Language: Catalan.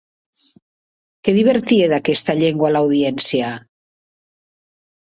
Què divertia d'aquesta llengua a l'audiència?